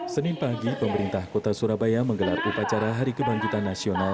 senin pagi pemerintah kota surabaya menggelar upacara hari kebangkitan nasional